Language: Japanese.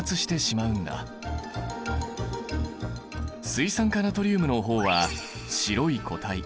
水酸化ナトリウムの方は白い固体